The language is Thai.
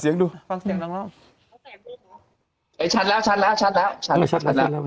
แต่หนูจะเอากับน้องเขามาแต่ว่า